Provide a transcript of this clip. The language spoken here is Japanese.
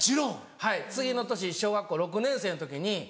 はい次の年小学校６年生の時に。